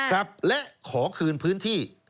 และขอคืนพื้นที่